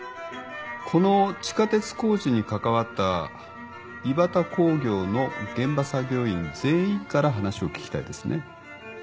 この地下鉄工事に関わったイバタ工業の現場作業員全員から話を聞きたいですね。